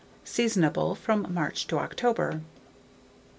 Seasonable from March to October.